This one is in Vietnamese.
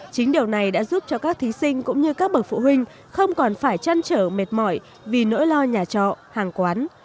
chính điều này đã giúp cho các thí sinh cũng như các bậc phụ huynh không còn phải chăn trở mệt mỏi vì nỗi lo nhà trọ hàng quán